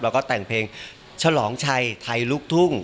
แล้วก็แต่งเพลงฉลองชัยไทยลุกทุ่ง